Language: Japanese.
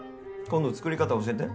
今度作り方教えて。